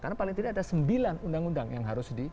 karena paling tidak ada sembilan undang undang yang harus di